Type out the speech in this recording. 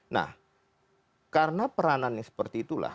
nah karena peranan yang seperti itulah